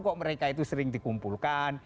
kok mereka itu sering dikumpulkan